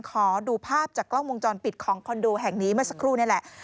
ขอดูภาพจากกล้องวงจรปิดของคอนโดแห่งนี้เมื่อสักครู่นี่แหละ